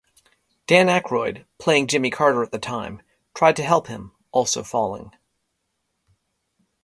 Dan Aykroyd, playing Jimmy Carter at the time, tried to help him, also falling.